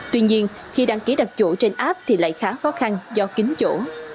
tuy nhiên khi đăng ký đặt chủ trên app thì lại khá khó khăn do kính chỗ